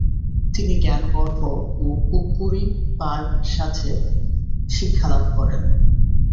তিনি জ্ঞানগর্ভ ও কুক্কুরী পার সাথে শিক্ষালাভ করেন।